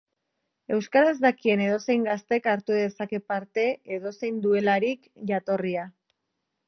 Euskaraz dakien edozein gaztek hartu dezake parte, edozein duelarik jatorria.